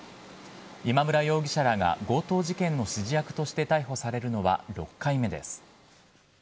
今村容疑者らが強盗事件の指示役として逮捕されるのは６回目です。